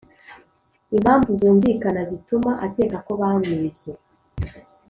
impamvu zumvikana zituma akeka ko bamwibye